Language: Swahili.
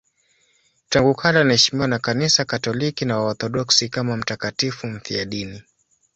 Tangu kale anaheshimiwa na Kanisa Katoliki na Waorthodoksi kama mtakatifu mfiadini.